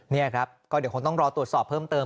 นี่ครับก็เดี๋ยวคงต้องรอตรวจสอบเพิ่มเติม